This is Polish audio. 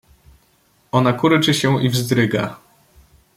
"Ona kurczy się i wzdryga."